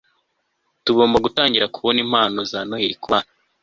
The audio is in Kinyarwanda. tugomba gutangira kubona impano za noheri kubana